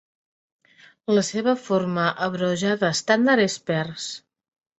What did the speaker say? La seva forma abreujada estàndard és Pers.